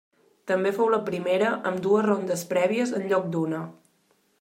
També fou la primera amb dues rondes prèvies en lloc d'una.